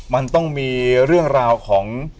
มันต้องมีเรื่องราวของ